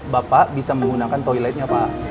bapak bisa menggunakan toiletnya pak